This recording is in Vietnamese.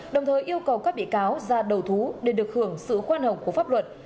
đồng thời yêu cầu các bị cáo ra đầu thú để được hưởng sự khoan hồng của pháp luật